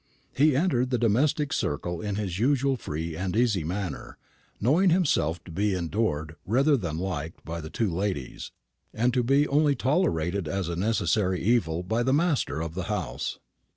He entered the domestic circle in his usual free and easy manner, knowing himself to be endured, rather than liked, by the two ladies, and to be only tolerated as a necessary evil by the master of the house.